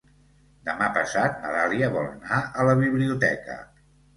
Demà passat na Dàlia vol anar a la biblioteca.